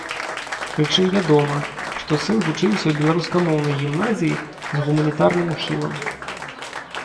Прычым вядома, што сын вучыўся ў беларускамоўнай гімназіі з гуманітарным ухілам.